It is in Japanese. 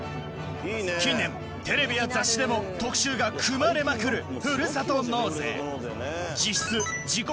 近年テレビや雑誌でも特集が組まれまくるふるさと納税